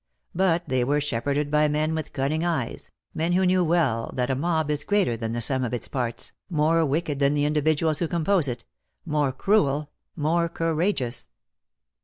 But they were shepherded by men with cunning eyes, men who knew well that a mob is greater than the sum of its parts, more wicked than the individuals who compose it, more cruel, more courageous.